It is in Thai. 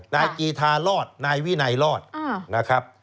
กีธารอดนายวินัยรอดนะครับ